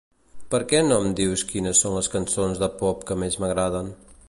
Per què no em dius quines són les cançons de pop que més m'agraden?